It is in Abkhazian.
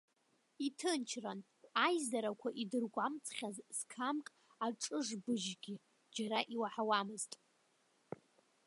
Иҭынчран, аизарақәа идыргәамҵхьаз сқамк аҿыжбыжьгьы џьара иуаҳауамызт.